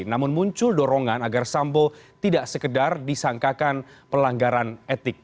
namun muncul dorongan agar sambo tidak sekedar disangkakan pelanggaran etik